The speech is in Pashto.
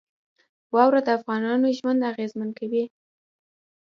واوره د افغانانو ژوند اغېزمن کوي.